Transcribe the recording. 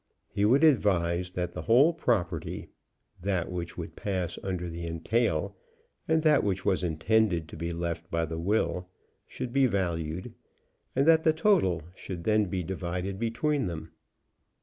He would advise that the whole property, that which would pass under the entail, and that which was intended to be left by will, should be valued, and that the total should then be divided between them.